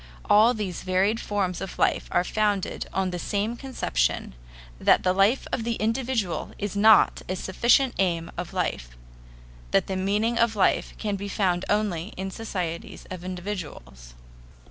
All these varied forms of life are founded on the same conception, that the life of the individual is not a sufficient aim of life that the meaning of life can be found only in societies of individuals.